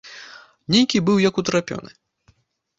Нейкі быў як утрапёны.